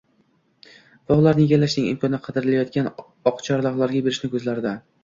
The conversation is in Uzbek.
va ularni egallashning imkonini qidirayotgan oqcharloqlarga berishni ko‘zlardi.